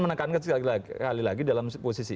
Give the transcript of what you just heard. menekankan sekali lagi dalam posisi